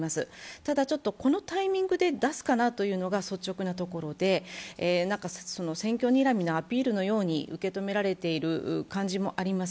ただ、このタイミングで出すかなというところが率直なところで、選挙にらみのアピールのように受け止められている感じもあります。